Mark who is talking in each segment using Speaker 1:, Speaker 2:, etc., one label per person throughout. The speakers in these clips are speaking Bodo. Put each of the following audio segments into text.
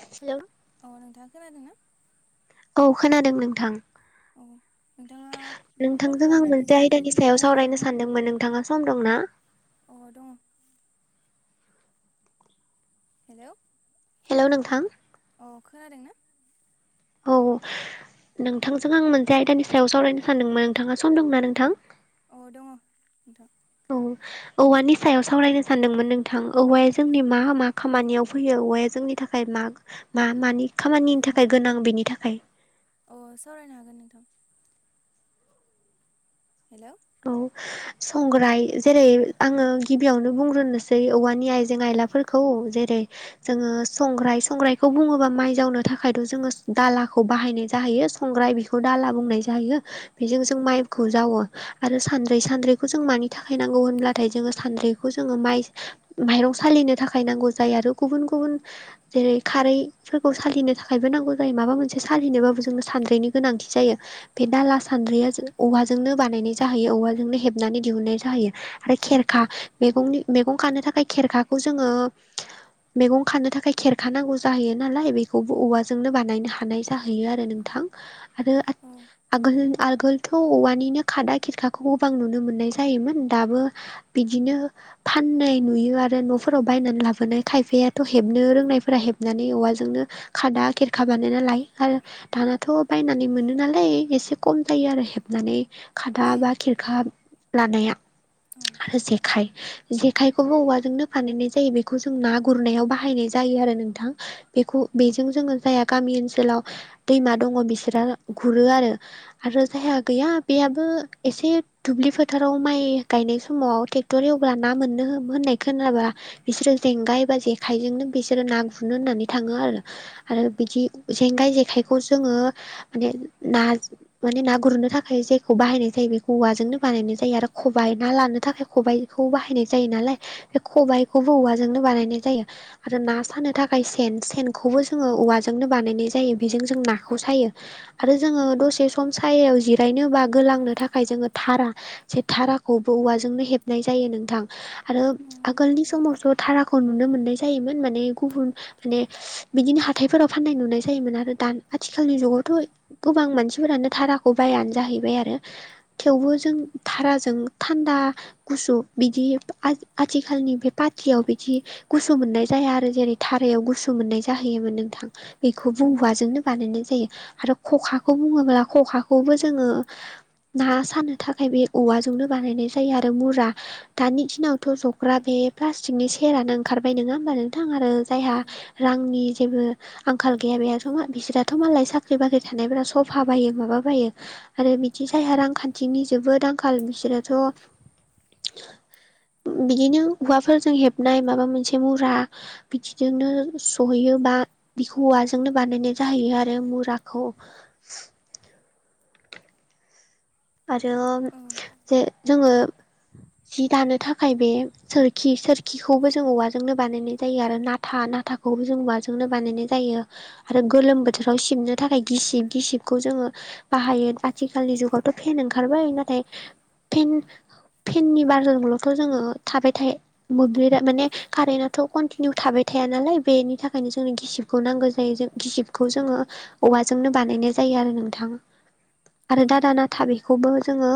Speaker 1: हेलौ
Speaker 2: अ नोंथाङा खोनादों ना
Speaker 1: औ खोनादों नोंथां
Speaker 2: औ नोंथाङा कल
Speaker 1: नोंथांजों आं
Speaker 2: खालामनायनि
Speaker 1: मोनसे
Speaker 2: जाहोनखौ
Speaker 1: आयदानि
Speaker 2: खोन्थाना
Speaker 1: सायाव
Speaker 2: होनो हागोन
Speaker 1: सावरायनो
Speaker 2: ना
Speaker 1: सानदोंमोन नोंथाङा सम दं ना
Speaker 2: अ दङ हेलौ
Speaker 1: हेलौ नोंथां
Speaker 2: अ खोनादों ना
Speaker 1: औ नोंथांजों आं मोनसे आयदानि सायाव सावरायनो सानदोंमोन नोंथाङा सम दंना नोंथां
Speaker 2: अ दङ नोंथां
Speaker 1: औ औवानि सायाव सावरायनो सानदोंमोन नोंथां औवाया जोंनि मा मा खामानियाव फैयो औवाया जोंनि थाखाय मा मा मानि खामानिनि थाखाय गोनां बेनि थाखाय
Speaker 2: अ सावरायनो हागोन नोंथां हेलौ
Speaker 1: औ संग्राय जेरै आङो गिबियावनो बुंग्रोनोसै औवानि आयजें आइलाफोरखौ जेरै जोङो संग्राय संग्रायखौ बुङोबा माइ जावनो थाखायथ' जोङो दालाखौ बाहायनाय जाहैयो संग्राय बे बे खौ दाला बुंनाय जायो बेजों
Speaker 2: औ
Speaker 1: जों माइखौ जावो आरो सानद्रै सानद्रैखौ जों मानि थाखाय नांगौ होनब्लाथाय जोङो सानद्रैखौ जोङो माइ माइरं सालिनो थाखाय नांगौ जायो आरो गुबुन गुबुन जेरै खारै फोरखौ सालिनो थाखायबो नांगौ जायो माबा मोनसे सालिनोबाबो जोंनो सानद्रिनि गोनांथि जायो बे दाला सान्द्रिया औवाजोंनो बानायनाय जाहैयो औवाजोंनो हेबनानै दिहुननाय जाहैयो आरो
Speaker 2: औ
Speaker 1: खेरखा मैगंनि मैगं खानो थाखाय खेरखाखौ जोङो मैगं खानो थाखाय खेरखा नांगौ जाहैयो नालाय बेखौबो औवाजोंनो बानायनो हानाय जाहैयो आरो नों थां आरो
Speaker 2: औ
Speaker 1: आगोल-आगोलथ' औवानिनो खादा खिरखाखौ गोबां नुनो मोननाय जायोमोन दाबो बिदिनो फाननाय नुयो आरो न'फोराव बायनानै लाबोनाय खायफायाथ' हेबनो रोंनायफोरा हेबनानै औवाजोंनो खादा खेरखा बानाय नालाय आरो दानाथ' बायनानै मोनो नालाय एसे खम जायो आरो हेबनानै खा दा बा खेरखा लानाया
Speaker 2: औ
Speaker 1: आरो जेखाय जेखायखौबो औवाजोंनो फानहैनाय जायो बेखौ जों ना गुरनायाव बाहायनाय जायो आरो नोंथां बेखौ बेजों जोङो जायहा गामि ओनसोलाव दैमा दङ बिसोरो गुरो आरो आरो जायहा गैया बेयाबो एसे दुब्लि फोथाराव माइ गायनाय समाव ट्रेक्टर एव अब्ला ना मोननो हो होननाय खोनाब्ला बिसोरो जेंगाइ बा जेखाइजोंनो बिसोरो ना गुरनो होननानै थाङो आरो आरो बिदि जेंगाइ जेखाइखौ जोङो माने ना माने ना गुरनो थाखाय जायखौ बाहायनाय जायो बे औवाजोंनो बानायनाय जायो आरो खबाइ ना लानो थाखाय खबायाइखौ बाहायनाय जायो नालाय बे खबाइखौबो औवाजोंनो बानायनाय जायो आरो ना सानो थाखाय सेन सेनखौबो जोङो औवाजोंनो बानायनाय जायो बेजों जों नाखौ सायो आरो जोङो दसे सम सायायाव जिरायनो बा गोलांनो थाखाय थाखाय जोङो धारा जे धाराखौबो औवाजोंनो हेबनाय जायो नोंथां आरो आगोलनि समावस' धाराखौ नुनो मोननाय जायोमोन माने गुबुन माने बिदिनो हाथायफोराव फान्नाय नुनाय जायोमोन आरो दान आथिखालनि जुगावथ' गोबां मानसिफोरानो धाराखौ बायानो जाहैबाय आरो थेवबो जों धाराजों थान्दा गुसु बिदि आथि-आथिखालनि बे पात्रियाव बिदि गुसु मोननाय जाया आरो जेरै धारायाव गुसु मोननाय जाहैयोमोन नोंथां
Speaker 2: उम
Speaker 1: बेखौबोवाजोंनो बानायनाय जायो आरो खखाखौ बुङोब्ला खखाखौबो जोङो ना सानो थाखाय बे औवाजोंनो बानायनाय जायो आरो मुरा दानि दिनावथ' जग्रा बे प्लास्टिकनि सेरानो ओंखारबाय नङा होमबा नों थां आरो
Speaker 2: औ
Speaker 1: जायहा रांनि जेबो आंखाल गैया बेथ' बिसोराथ' मालाय साख्रि बाख्रि थानायफोरा सफा बायो माबा बायो आरो बिदि जायहा रांखान्थिनि जोबोद आंखाल बिसोराथ' बिदिनो हौवाफोरजों हेबनाय माबा मोनसे मुरा बिदिजोंनो सहैयो बा बिखौ औवाजोंनो बानायनाय जाहैयो आरो मुरा खौ' आरो जे जोङो जि दानो थाखाय बे सोरखि सोरखिखौबो जों औवाजोंनो बानायनाय जायो आरो ना था नाथाखौबो जों औवाजोंनो बानायनाय जायो आरो गोलोम बोथोराव सिबनो थाखाय गिसिब गिसिबखौ जोङो बाहायो आथिखालनि जुगाव ' फेन ओंखारबाय नाथाय फेन फेननि बारनल'थ' जोङो थाबाय थायो मोब्लिबा माने कारेन्टथ' कन्टिनिउ थाबाय थाया नालाय बेनि थाखायनो जोंनो गिसि नांगौ जायो जों गिसिबखौ जोङो औवाजोंनो बानायनाय जायो आरो नोंथां
Speaker 2: औ
Speaker 1: आरो
Speaker 2: नंगौ
Speaker 1: दादा नाथा बेखौबो जोङो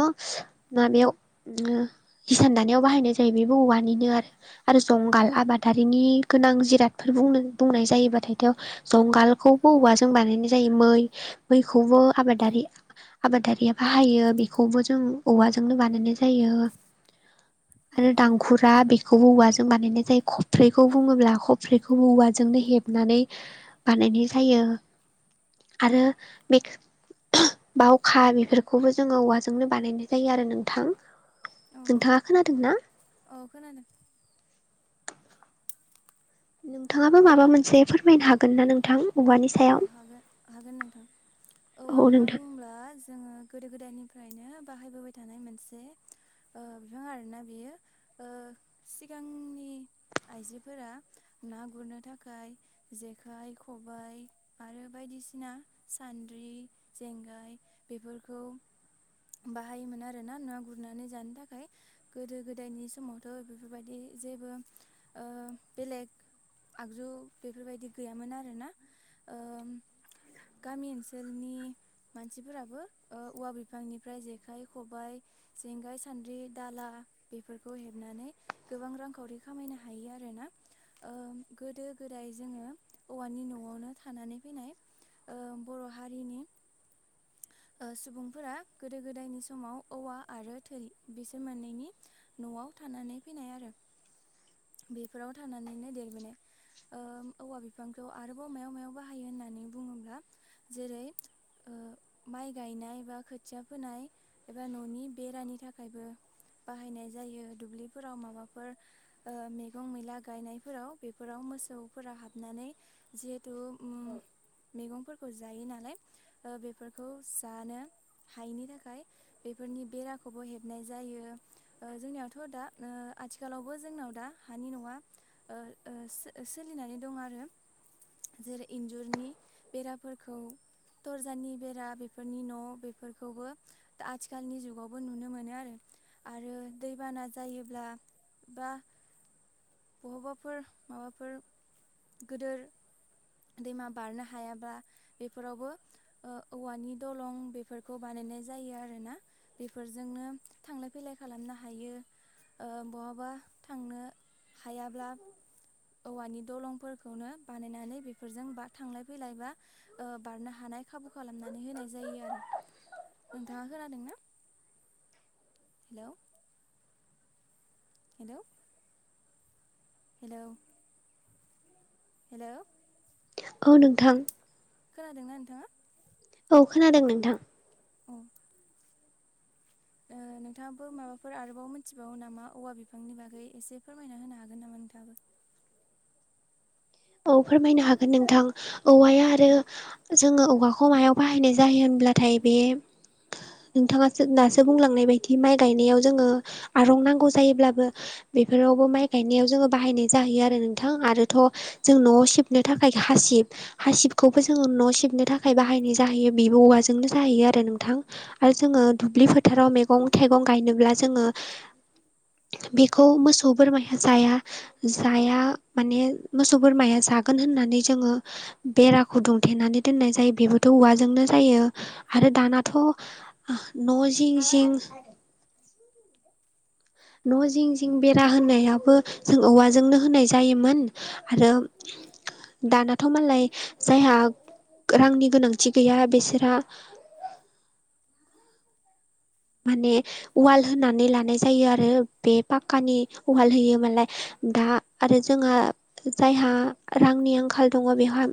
Speaker 1: माबायाव बिदिनो हिसान दानायाव बाहायनाय जायो बेबो औवानिनो आरो आरो जंगाल आबादारिनि गोनां जिरादफोरनो बुंनो बुंनाय जायोबाथायथ जंगालखौबो औवाजों बानायनाय जायो मै मैखौबो आबादारि आबादारिया बाहायो बेखौबो जों औवाजोंनो बानाय जा जायो
Speaker 2: औ
Speaker 1: आरो
Speaker 2: नंगौ
Speaker 1: दांखुरा बे बेखौबो औवाजों बानायनाय जायो खफ्रिखौ बुङोब्ला खफ्रिखौबो औवाजोंनो हेबनानै बानायनाय जायो आरो बे बावखा बे बेखौबो जोङो औवाजोंनो बानायनाय जायो आरो नोंथां
Speaker 2: औ नंगौ
Speaker 1: नोंथाङा खोनादों ना
Speaker 2: औ खोनादों
Speaker 1: नोंथाङाबो माबा मोनसे फोरमायनो हागोन ना नोंथां औवानि
Speaker 2: औ
Speaker 1: सायाव
Speaker 2: हागोन हागोन नोंथां औवा
Speaker 1: औ
Speaker 2: बिफां
Speaker 1: नोंथां
Speaker 2: बुंब्ला जोङो गोदो गोदायनिफ्रायनो बाहायबोबाय थानाय मोनसे ओ बिफां आरोना बियो ओ सिगांनि आइजोफोरा ना गुरनो थाखाय जेखाय खब खबबाय आरो बायदिसिना सान्द्रि जेंगाय बेफोरखौ बाहायोमोन आरोना ना गुरनानै जानो थाखाय गोदो गोदायनि समावथ' बेफोरबायदि जेबो ओ बेलेग आगजु बेफोरबायदि गैयामोन आरो ना औ गामि ओनसोलनि मानसिफोराबो औवा बिफांनिफ्राय जेखाइ खबाय जेंगाय सान्द्रि दाला बेफोरखौ हेबनानै गोबां रांखावरि खामायनो हायो आरोना। ओ गोदो गोदाय जोङो औवानि न'आव नो थानानै फैनाय बर' हारिनि
Speaker 1: [inaudible]
Speaker 2: सुबुंफोरा गोदो गोदायनि समाव औवा आरो थै बिसोर मोननैनि न'आव थानानै फैनाय आरो। बेफोराव थानानैनो देरबोनाय। औवा बिफांखौ आरोबाव मायाव मायाव बाहायो होननानै बुङोब्ला जेरै माइ गायनाय बा खोथिया फोनाय एबा न'नि बेरानि थाखायबो बाहायनाय जायो दुब्लिफोराव माबाफोर मैगं मैला गायनायफोराव बेफोराव मोसौफोरा हाबनानै जिहेथु मैगंफोरखौ जायो नालाय ओ बेफोरखौ जानो हायिनि थाखाय बेफोरनि बेराखौबो हेबनाय जायो जोंनियावथ' दा आथिखालावबो जोंनाव ओ दा हानि नङा सोलिनानै दं आरो। जेरै इन्जुरनि बेराफोरखौ दरजानि बेरा बेफोरनि न' बेफोरखौबो दा आथिखालनि जुगावबो नुनो मोनो आरो। आरो दैबाना जायोब्ला बा बहबाफोर माबाफोर गोदोर दैमा बारनो हायाब्ला बेफोरावबो औवानि दलं बेफोरखौ बानायनाय जायो आरोना बेफोरजोंनो थांलाय फैलाय खालामनो हायो। ओ बहाबा थांनो हायाब्ला औवानि दलंफोरखौनो बानायनानै बे फोरजों बा थांलाय फैलाय बा बारनो हानाय खाबु खालामनानै होनाय जायो आरो। नोंथाङा खोनादोंना? हेल' हेल' हेल' हेल'
Speaker 1: औ नोंथां।
Speaker 2: खोनादोंना नोंथाङा?
Speaker 1: औ खोनादों नोंथां।
Speaker 2: ओम नोंथाङाबो माबाफोर आरोबाव मिथिबावो नामा औवा बिफांनि बागै एसे फोरमायना होनो हागोन नामा नोंथाङाबो
Speaker 1: औ फोरमायनो हागोन नोंथां औवाया आरो जोङो औवाखौ मायाव बाहायनाय जायो होनब्लाथाय बे नोंथाङासो दासो बुंलांनाय बायदि माइ गायनायाव जोङो आरं नांगौ जायोब्लाबो बेफोरावबो माइ गायनायाव जोङो बाहायनाय जाहैयो आरो नोंथां आरोथ' जों न'आव सिबनो थाखाय हासिब हासिबखौबो जोङो न' सिबनो थाखाय बाहायनाय जाहैयो बेबो औवाजोंनो जाहैयो आरो नोंथां आरो जोङो दुब्लि फोथाराव मैगं थाइगं गायनोब्ला जोङो बेखौ मोसौ बोरमाया जाया जाया माने मोसौ बोरमाया जागोन होननानै जोङो बेराखौदुंथेनानै दोननाय जायो बेबोथ' औवाजोंनो जायो आरो दानाथ' न'‌ जिं जिं न' जिं जिं बेरा होनायाबो जों औवाजोंनो होनाय जायोमोन। आरो दानाथ' मालाय जायहा रांनि गोनांथि गैया बिसोरहा माने उवाल होनानै लानाय जायो आरो बे पाक्कानि उवाल होयो मालाय दा आरो जोंहा जायहा रांनि आंखाल दंङ' बेवहा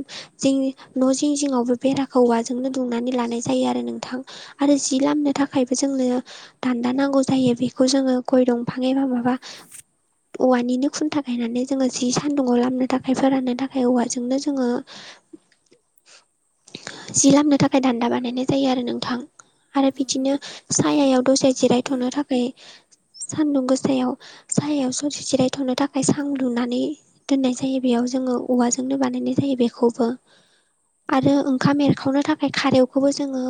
Speaker 1: जों न' जिं जिंङावबो बेराखौवाजोंनो दुंनानै लानाय जायो आरो नोंथां आरो जि लामनो थाखाय जोंनो दान्दा नांगौ जायो बेखौ जोंङो गय दंफां एबा माबा औवानिनो खुनथा गायखायायनानै जोंङो जि सान्दुङाव लामनो थाखाय फोराननो थाखाय औवाजोंनो जोंङो। जि लामनो थाखाय दान्दा बानायनाय जायो आरो नोंथां आरो
Speaker 2: औ
Speaker 1: बिदिनो
Speaker 2: नंगौ
Speaker 1: सायायाव दसे जिरायथ'नो थाखाय सानदुं गोसायाव सायाव ससे जिरायथ'नो थाखाय सां लुनानै दोननाय जायो बेयाव जोंङो औवाजोंनो बानायनाय जायो बेखौबो
Speaker 2: औ
Speaker 1: आरो
Speaker 2: नंगौ
Speaker 1: ओंखाम एरखावनो थाखाय खारौखौबो जोंङो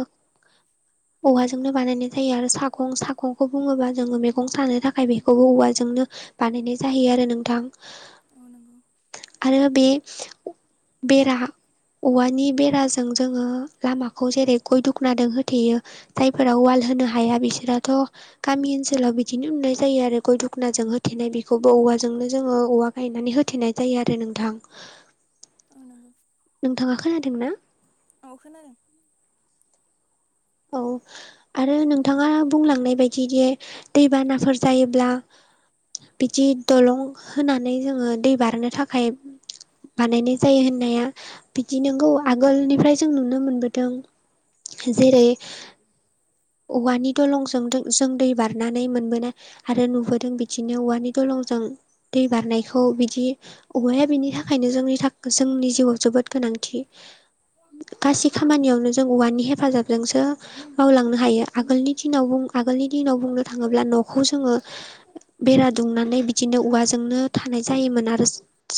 Speaker 1: औवाजोंनो बानायनाय जायो आरो सागं सागंखौ बुङोबा जोङो मैगं सानो थाखाय बेखौ औवाजोंनो बानायनाय जायो आरो नोंथां
Speaker 2: औ नंगौ
Speaker 1: आरो बे बेरा औवानि बेराजों जोंङो लामाखौ जेरै गय दुखनाजों होथेयो। जायफोरा उवाल होनो हाया बिसोराथ' गामि ओनसोलाव बिदिनो नुनाय जायो आरो गय दखनाजों होथेनाय बेखौबो औवाजोंनो जोङो औवाखौ बायनानै होथेनाय जायो आरो नोंथां
Speaker 2: ओ नंगौ
Speaker 1: नोंथांङा खोनादों ना?
Speaker 2: औ खोनादों
Speaker 1: औ आरो नोंथाङा बुंलांनाय बायदिदि दैबानाफोर जायोब्ला बिदि दलं होनानै जोंङो दै बारनो थाखाय बानायनाय जायो होननाया बिदि नंगौ आगोलनिफ्राय जों नुनो मोनबोदों। जेरै औवानि दंलंजों जों दै बारनानै मोनबोनाय आरो नुबोदों बिदिनो औवानि दलंजों दै बारनायखौ बिदि औवाया बेनि थाखायनो जोंनि जोंनि जिउआव जोबोद गोनांथि गासै खामानियावनो जों औवानि हेफाजाबजोंसो मावलांनो हायो आगोलनि दिनाव आगोलनि दिनाव बुंनो थांङोब्ला न'खौ जोंङो। बेरा दुंनानै बिदिनो औवाजोंनो थानाय जायोमोन आरो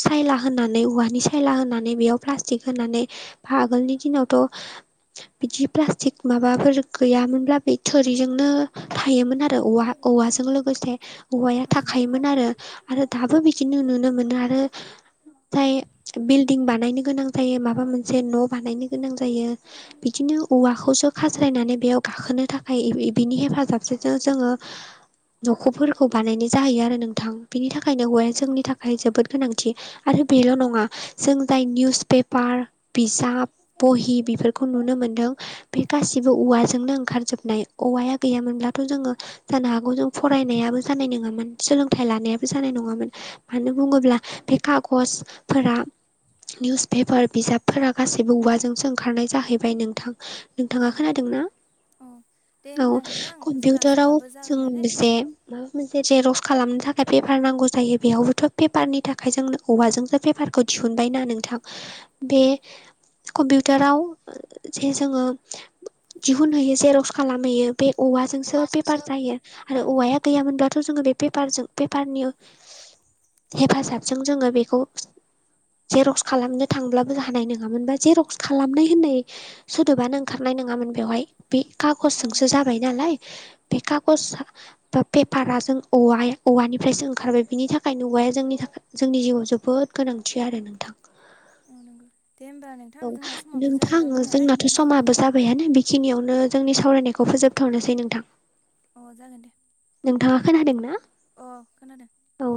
Speaker 1: सायला होनानै औवानि सायला होनानै बेयाव प्लास्टिक होनानै आगोलनि दिनावथ' बिदि प्लास्टिक माबाफोर गैयामोनब्ला बे थोरिजोंनो थायोमोन आरो औवा औवाजों लोगोसे औवाया
Speaker 2: औ नंगौ
Speaker 1: थाखायोमोन आरो आरो दाबो बिदिनो नुनो मोनो आरो जाय बिल्डिं बानायनो गोनां जायो माबा मोनसे न' बानायनो गोनां जायो। बिदिनो औवाखौसो खास्रायनानै बेयाव गाखोनो थाखाय बिनि हेफाजाबजों जोंङो। न'खरफोरखौ बानायनाय जाहैयो आरो नोंथां बिनि थाखायनो
Speaker 2: औ
Speaker 1: हाया
Speaker 2: नंगौ
Speaker 1: जोंनि थाखाय बे जोबोद गोनांथि आरो बेल' नङा जों जाय निउस पेपार बिजाब बहि बेफोरखौ नुनो मोनदों बे गासिबो औवाजों जोंनो ओंखारजोबनाय औवाया गैयामोनब्लाथ' जोंङो जानो हागौ जों फरायनायाबो जानाय नंङामोन सोलोंथाइ लानायाबो जानाय नंङामोन। मानो बुङोब्ला बे खागजफोरा निउस पेपार बिजाबफोरा गासैबो औवाजोंसो ओंखारनाय जाहैबाय नोंथां नोंथाङा खोनादों ना
Speaker 2: अ अ
Speaker 1: औ कम्पिउटाराव
Speaker 2: नालाय
Speaker 1: लोगोसे माबा मोनसे जेरस खालामनो थाखाय पेपार नांगौ जायो बेयावबोथ' पेपारनि थाखाय जोंनो औवाजोंसो बेफारखौ दिहुनबायना नोंथां बे कम्पिउटाराव जे जोङो फुनहैयो जेरक्स खालामहैयो बे औवाजोंसो बेफार जायो। आरो औवाया गैयामोनब्लाथ' जोङो बेेपारजों पेपारनि हेफाजाबजों जोङो बेखौ जेरक्स खालामनो थांब्लाबो हानाय नङामोन बा जेरक्स खालामनाय होननाय सोदोबानो ओंखारनाय नङामोन बेवहाय बे
Speaker 2: औ
Speaker 1: खागजजोंसो जाबाय नालाय बेे खागसया बा पेपारा जों औवा औवानिफ्रायसो ओंखारबाय बिनि थाखायनो औवाया जोंनि थाखाय जोंनि जिउआव जोबोद गोनांथि आरो नोंथां।
Speaker 2: औ नंगौ दे होमबा नोंथां
Speaker 1: औ
Speaker 2: जोंना समावबो
Speaker 1: नोंथां
Speaker 2: जाहोलांबाय नालाय
Speaker 1: जोंनाथ' समाबो जाबायानो बेखिनियावनो जोंनि सावरायनायखौ फोजोबथ'नोसै नोंथां।
Speaker 2: अ जागोन दे।
Speaker 1: नोंथाङा खोनादों ना?
Speaker 2: अ खोनादों।
Speaker 1: औ